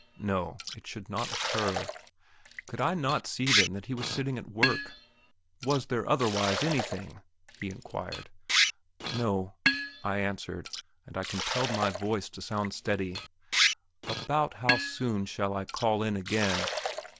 No; it should not occur! Could I not see then that he was sitting at work? Was there otherwise anything? he inquired. "No," I answered, and I compelled my voice to sound steady. "About how soon shall I call in again?"